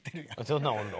そんなんおるの？